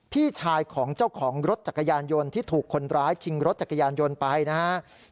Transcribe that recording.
พี่ชายของเจ้าของรถจักรยานยนต์ที่ถูกคนร้ายชิงรถจักรยานยนต์ไปนะครับ